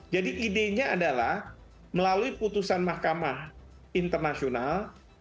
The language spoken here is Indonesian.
jadi idenya adalah melalui putusan mahkamah internasional